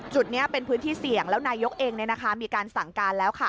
จุดนี้เป็นพื้นที่เสี่ยงแล้วนายกเองมีการสั่งการแล้ว